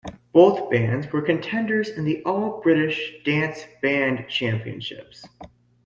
Both bands were contenders in the All British Dance Band Championships.